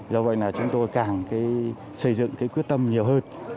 do vậy là chúng tôi càng xây dựng cái quyết tâm nhiều hơn